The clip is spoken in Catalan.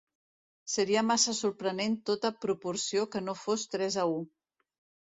Seria massa sorprenent tota proporció que no fos tres a u.